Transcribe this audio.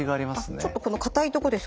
ちょっとこの硬いとこですか？